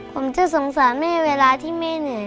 ผมจะสงสารแม่เวลาที่แม่เหนื่อย